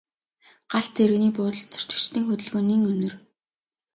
Галт тэрэгний буудалд зорчигчдын хөдөлгөөн нэн өнөр.